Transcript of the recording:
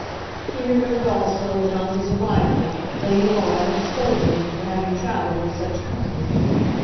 He remembered also that on his arrival Lady Laura had scolded him for having travelled in such company.